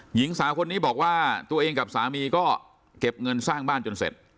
หญิงสาวคนนี้บอกว่าตัวเองกับสามีก็เก็บเงินสร้างบ้านจนเสร็จ